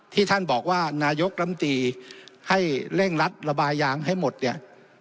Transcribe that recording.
ที่ท่านบอกว่านายกลำตีให้เร่งรัดระบายยางให้หมดเนี่ย